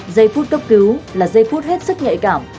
dây phút cấp cứu là dây phút hết sức nhạy cảm